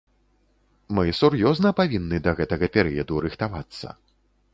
Мы сур'ёзна павінны да гэтага перыяду рыхтавацца.